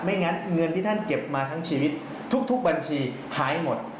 งั้นเงินที่ท่านเก็บมาทั้งชีวิตทุกบัญชีหายหมด